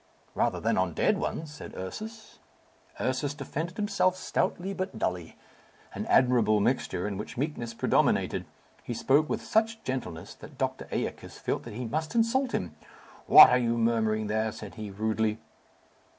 "Rather than on dead ones," said Ursus. Ursus defended himself stoutly, but dully; an admirable mixture, in which meekness predominated. He spoke with such gentleness that Doctor Æacus felt that he must insult him. "What are you murmuring there?" said he rudely.